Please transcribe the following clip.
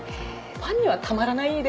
ファンにはたまらない。